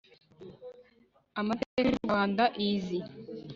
amateka y u Rwandais